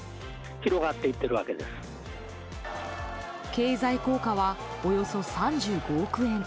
経済効果はおよそ３５億円。